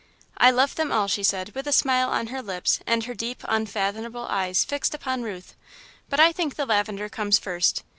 "I love them all," she said, with a smile on her lips and her deep, unfathomable eyes fixed upon Ruth, "but I think the lavender comes first.